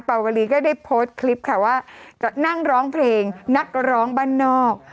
วลีก็ได้โพสต์คลิปค่ะว่าจะนั่งร้องเพลงนักร้องบ้านนอก